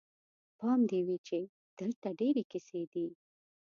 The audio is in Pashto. پام دې وي چې دلته ډېرې کیسې دي.